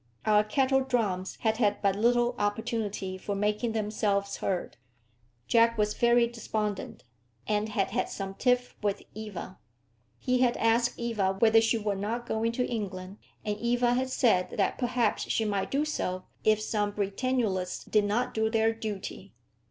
Our kettle drums had had but little opportunity for making themselves heard. Jack was very despondent, and had had some tiff with Eva. He had asked Eva whether she were not going to England, and Eva had said that perhaps she might do so if some Britannulists did not do their duty.